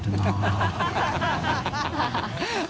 ハハハ